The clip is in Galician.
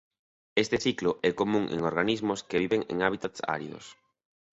Este ciclo é común en organismos que viven en hábitats áridos.